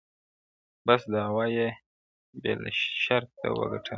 بس دعوه یې بې له شرطه و ګټله,